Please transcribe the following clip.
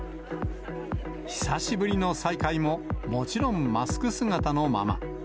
久しぶりの再会も、もちろん、マスク姿のまま。